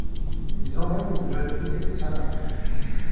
Ils emmènent une jeune fille, Sana.